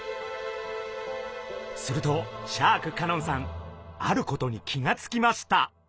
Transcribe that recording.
するとシャーク香音さんあることに気が付きました。